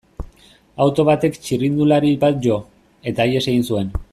Auto batek txirrindulari bat jo, eta ihes egin zuen.